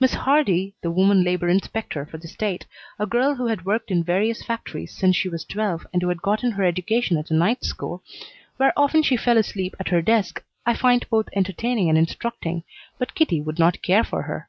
Miss Hardy, the woman labor inspector for the state, a girl who had worked in various factories since she was twelve and who had gotten her education at a night school, where often she fell asleep at her desk, I find both entertaining and instructing, but Kitty would not care for her.